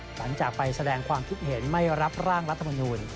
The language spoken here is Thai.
หลังจากไปแสดงความคิดเห็นไม่รับร่างรัฐมนูล